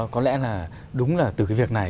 có lẽ là đúng là từ cái việc này